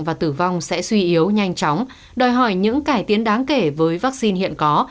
và tử vong sẽ suy yếu nhanh chóng đòi hỏi những cải tiến đáng kể với vaccine hiện có